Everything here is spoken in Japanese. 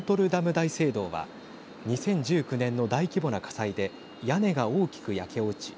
大聖堂は２０１９年の大規模な火災で屋根が大きく焼け落ち